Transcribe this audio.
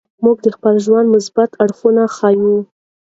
موږ د خپل ژوند مثبت اړخونه ښیو.